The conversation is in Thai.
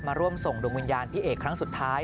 ร่วมส่งดวงวิญญาณพี่เอกครั้งสุดท้าย